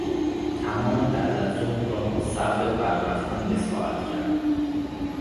تمام بعد از ظهر را صرف ور رفتن به ساعت کرد.